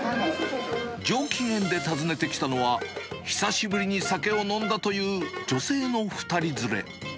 上機嫌で訪ねてきたのは、久しぶりに酒を飲んだという、女性の２人連れ。